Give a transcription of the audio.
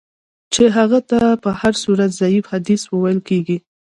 چي هغه ته په هر صورت ضعیف حدیث ویل کیږي.